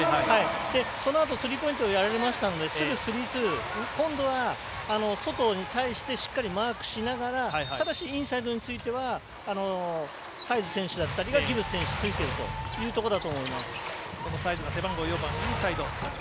そのあと、スリーポイントやられましたのですぐ３−２、今度は外に対してしっかりマークしながらただし、インサイドについてはサイズ選手だったりギブス選手がついてるということだと思います。